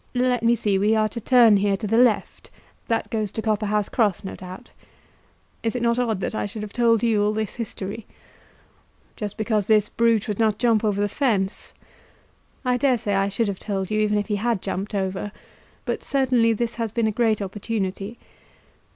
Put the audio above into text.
Let me see; we are to turn here to the left. That goes to Copperhouse Cross, no doubt. Is it not odd that I should have told you all this history?" "Just because this brute would not jump over the fence." "I dare say I should have told you, even if he had jumped over; but certainly this has been a great opportunity.